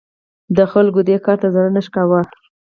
د خلکو دې کار ته زړه نه ښه کاوه.